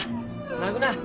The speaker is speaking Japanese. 泣くな。